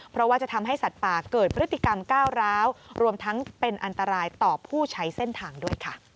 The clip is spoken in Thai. เพราะว่าจะทำให้สัตว์ป่าเกิดพฤติกรรมก้าวร้าว